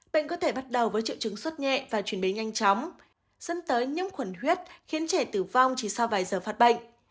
bệnh có thể bắt đầu với triệu chứng xuất nhẹ và chuyển bến nhanh chóng dẫn tới những khuẩn huyết khiến trẻ tử vong chỉ sau vài giờ phát bệnh